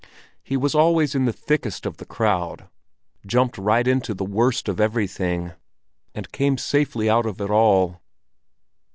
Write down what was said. He was always in the thickest of the crowd, jumped right into the worst of everything, and came safely out of it all.